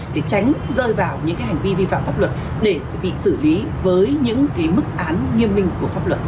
để tránh rơi vào những hành vi vi phạm pháp luật để bị xử lý với những mức án nghiêm minh của pháp luật